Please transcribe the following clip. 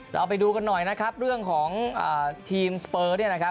เราไปดูกันหน่อยเรื่องของทีมสเปอร์